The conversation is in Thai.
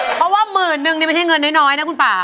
เพราะว่าหมื่นนึงนี่ไม่ใช่เงินน้อยนะคุณป่า